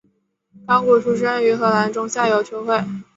高古出身于荷兰中下游球会。